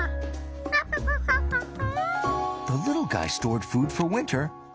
ハ。ハハハハハハ。